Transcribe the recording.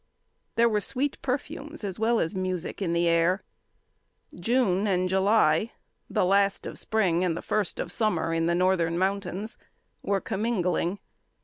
There were sweet perfumes as well as music in the air. June and July the last of spring and the first of summer in the northern mountains were commingling.